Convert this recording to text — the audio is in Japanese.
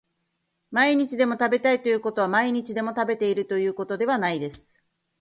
毎日でも食べたいということは毎日でも食べているということではないです